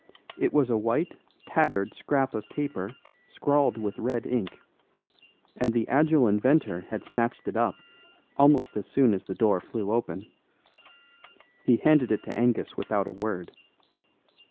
It was a white, tattered scrap of paper scrawled with red ink; and the agile inventor had snatched it up almost as soon as the door flew open. He handed it to Angus without a word.